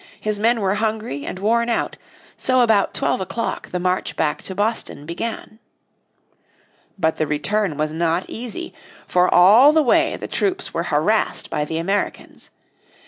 His men were hungry and worn out, so about twelve o'clock the march back to Boston began. But the return was not easy, for all the way the troops were harassed by the Americans.